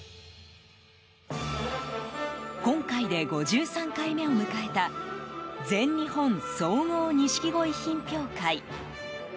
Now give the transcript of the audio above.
今回で５３回目を迎えた全日本総合錦鯉品評会。